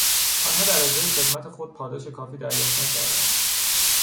آنها در ازای خدمت خود پاداش کافی دریافت نکردند.